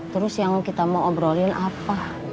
terus yang kita mau obrolin apa